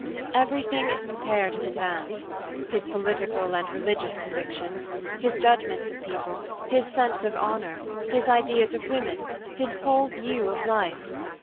Everything is prepared in advance his political and religious convictions, his judgments of people, his sense of honour, his ideas of women, his whole view of life.